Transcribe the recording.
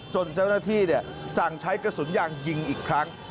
จนเจ้าหน้าที่สั่งใช้กระสุนยางยิงอีกครั้ง